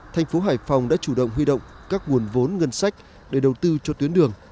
thành phố hải phòng đã chủ động huy động các nguồn vốn ngân sách để đầu tư cho tuyến đường